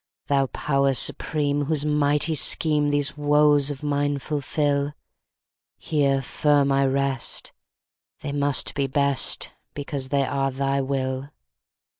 Thou Power Supreme, whose mighty schemeThese woes of mine fulfil, Here firm I rest; they must be best, Because they are Thy will!